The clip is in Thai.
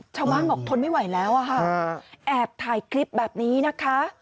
ชาวบ้านบอกทนไม่ไหวแล้วอะค่ะแอบถ่ายคลิปแบบนี้นะคะ